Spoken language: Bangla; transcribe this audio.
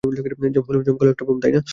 জমকালো একটা ভ্রম, তাই না?